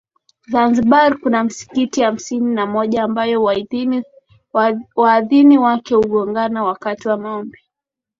Zanzibar kuna misikiti hamsini na moja ambayo waadhini wake hugongana wakati wa maombi